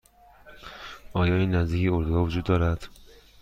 آیا این نزدیکی اردوگاه وجود دارد؟